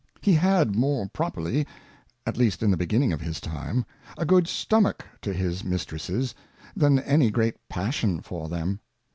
He had more properly, at least in the beginning of his Time, a good Stomach to his Mistresses, than any great Passion for them.